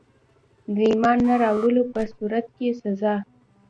د ایمان نه راوړلو په صورت کي سزا.